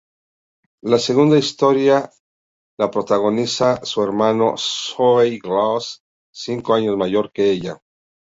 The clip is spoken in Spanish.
La segunda historia la protagoniza su hermano Zooey Glass, cinco años mayor que ella.